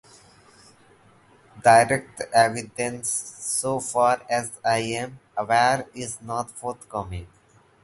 Direct evidence, so far as I am aware, is not forthcoming.